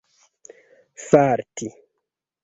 farti